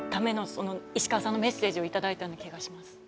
その石川さんのメッセージを頂いたような気がします。